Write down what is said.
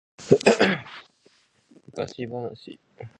昔話